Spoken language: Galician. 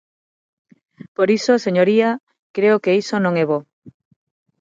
Por iso, señoría, creo que iso non é bo.